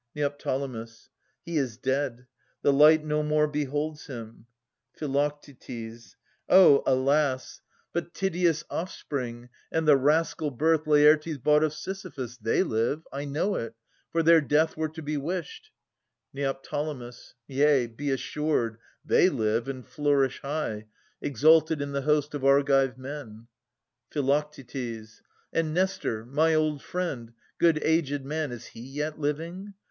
jsfgo. H!s is dead. The light no more beholds him. Pjjj_ Oh! alas! 282 Philoctetes [416 444 But Tydeus' offspring, and the rascal birth Laertes bought of Sisyphus, they live : I know it. For their death were to be wished. Neo. Yea, be assured, they live and flourish high, Exalted in the host of Argive men. Phi. And Nestor, my old friend, good aged man, Is he yet living?